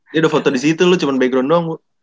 dia udah foto disitu lo cuman background doang bu